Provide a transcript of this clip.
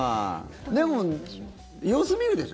でも、様子見るでしょ。